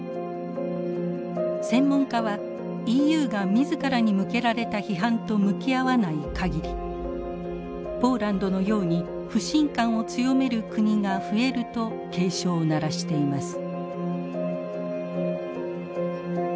専門家はＥＵが自らに向けられた批判と向き合わない限りポーランドのように不信感を強める国が増えると警鐘を鳴らしています。